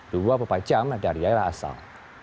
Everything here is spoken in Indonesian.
dua pepacam dari daerah asal